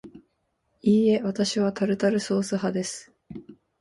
いいえ、わたしはタルタルソース派です